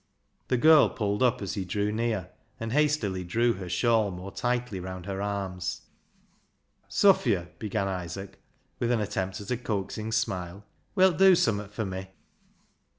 The girl pulled up as he drew near, and hastily drew her shawl more tightly round her arms. 311 312 BECKSIDE LIGHTS " S'phia," began Isaac, with an attempt at a coaxing smile, " wilt dew s.ummat for me?